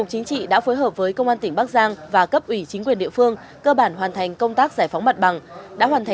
tiếp tục với các tin tức an ninh trật tự cập nhật